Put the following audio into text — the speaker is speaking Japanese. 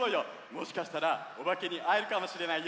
もしかしたらおばけにあえるかもしれないよ！